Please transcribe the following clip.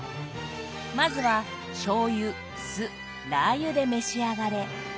まずはしょうゆ酢ラー油で召し上がれ。